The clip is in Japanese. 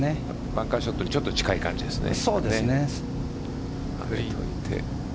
バンカーショットにちょっと近い感じですね。